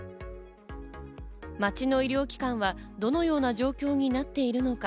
街の医療機関はどのような状況になっているのか？